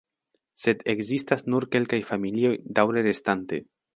Sed ekzistas nur kelkaj familioj daŭre restante.